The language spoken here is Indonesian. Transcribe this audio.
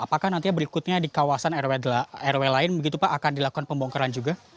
apakah nantinya berikutnya di kawasan rw lain begitu pak akan dilakukan pembongkaran juga